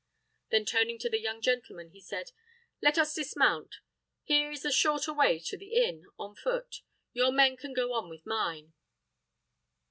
Then turning to the young gentleman, he said, "Let us dismount. Here is a shorter way to the inn, on foot. Your men can go on with mine."